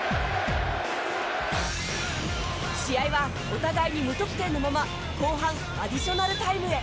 試合はお互いに無得点のまま後半アディショナルタイムへ。